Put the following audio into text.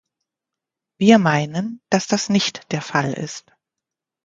Wir meinen, dass das nicht der Fall ist.